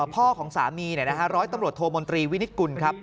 ของสามีร้อยตำรวจโทมนตรีวินิตกุลครับ